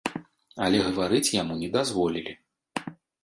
Але гаварыць яму не дазволілі.